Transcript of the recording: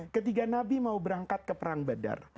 ketika nabi mau berangkat ke perang badar